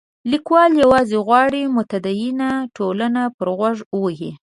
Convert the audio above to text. لیکوال یوازې غواړي متدینه ټولنه پر غوږ ووهي.